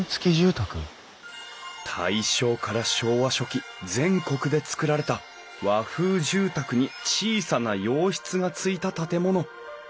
大正から昭和初期全国で造られた和風住宅に小さな洋室がついた建物。